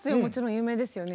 有名ですよね。